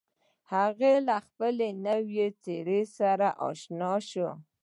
هغه له خپلې نوې څېرې سره اشنا شو.